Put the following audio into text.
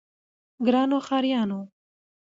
ګرانو ښاريانو!